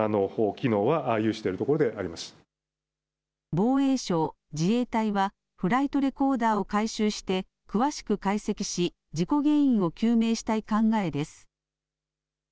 防衛省・自衛隊はフライトレコーダーを回収して詳しく解析し、事故原因を究明したい考えです。